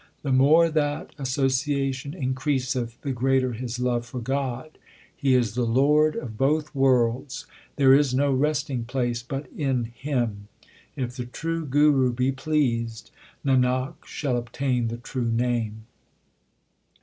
The more that association increaseth, the greater his love for God. He is the Lord of both worlds ; there is no resting place but in Him. If the true Guru be pleased, Nanak shall obtain the true Name.